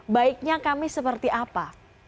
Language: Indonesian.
baiknya kami seperti apa